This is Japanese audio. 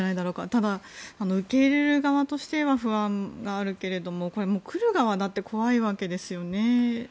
ただ、受け入れる側としては不安があるけども来る側だって怖いわけですよね。